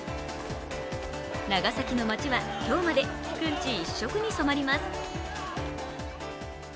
長崎の街は、今日までくんち一色に染まります。